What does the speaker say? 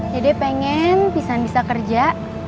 dede pengen pisan bisa kerja